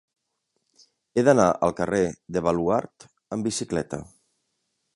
He d'anar al carrer del Baluard amb bicicleta.